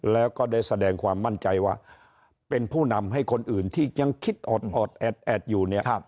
แล้วก็ได้แสดงความมั่นใจว่าเป็นผู้นำให้คนอื่นที่ยังคิดออดแอดแอดอยู่เนี่ย